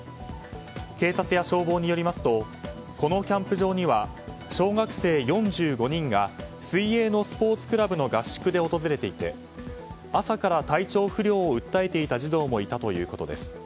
警察や消防によりますとこのキャンプ場には小学生４５人が水泳のスポーツクラブの合宿で訪れていて、朝から体調不良を訴えていた児童もいたということです。